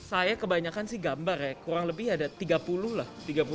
saya kebanyakan sih gambar ya kurang lebih ada tiga puluh lah